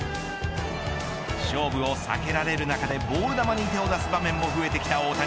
勝負を避けられる中でボール球に手を出す場面も増えてきた大谷。